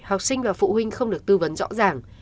học sinh và phụ huynh không được tư vấn rõ ràng